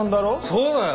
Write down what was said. そうだよ！